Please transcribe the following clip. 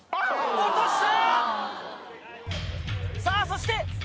落とした！